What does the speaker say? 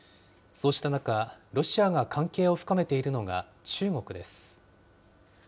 そうした中、ロシアが関係を深めているのが中国です。